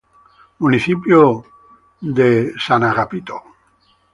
Municipio de South St.